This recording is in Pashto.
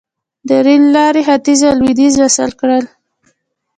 د ریل لارې ختیځ او لویدیځ وصل کړل.